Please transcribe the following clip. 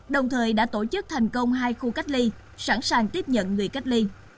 đồng thời đã tổ chức thành công hai khu cách ly sẵn sàng tiếp nhận người cách ly